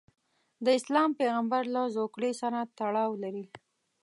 د اسلام پیغمبرله زوکړې سره تړاو لري.